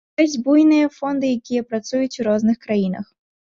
Ёсць буйныя фонды, якія працуюць у розных краінах.